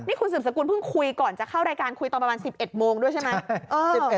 คุณสืบสกุลเพิ่งคุยก่อนจะเข้ารายการคุยตอนประมาณ๑๑โมงด้วยใช่ไหม